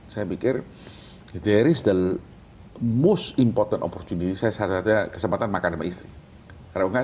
saya mikir dari seluruh musim potenopor jenis saya saja kesempatan makan istri kalau nggak